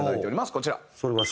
こちら。